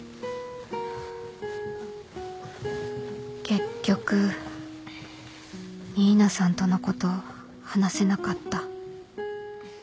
結局新名さんとのこと話せなかった